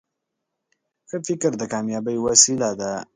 ښه فکر د کامیابۍ وسیله ده.